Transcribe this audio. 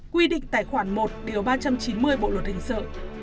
quy định tài khoản một điều ba trăm chín mươi bộ luật hình sự